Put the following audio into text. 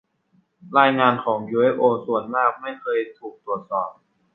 รายงานของ ยูเอฟโอส่วนมากไม่เคยถูกตรวจสอบ